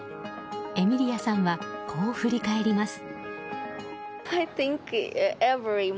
エミリアさんはこう振り返ります。